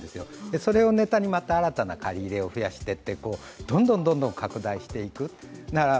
それをネタにまた新たな借り入れを増やしていってどんどん拡大していく。